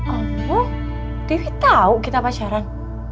apa dewi tahu kita pasaran